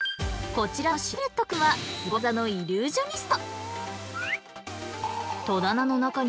こちらの白フェレットくんはスゴ技のイリュージョンニスト。